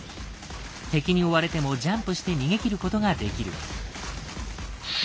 敵に追われてもジャンプして逃げきることができる。